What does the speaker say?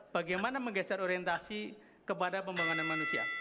bagaimana menggeser orientasi kepada pembangunan manusia